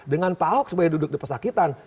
dengan pak ahok supaya duduk di pesakitan